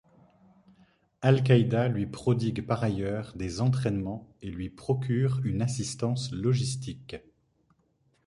Al-Qaïda lui prodigue par ailleurs des entraînements et lui procure une assistance logistique.